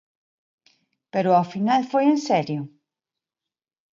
Pero ao final foi en serio.